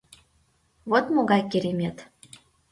Вот могай керемет!